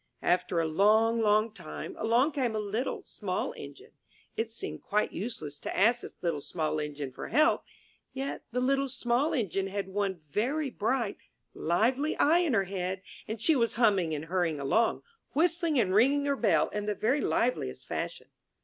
After a long, long time, along came a Little, Small Engine. It seemed quite useless to ask this Little, Small Engine for help, yet the Little, Small Engine had one very bright, lively eye in her head, and she was humming and hurrying along, whistling and ringing her bell in the very liveliest fashion.